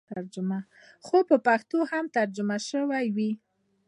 خو په پښتو هم ترجمه سوې وې.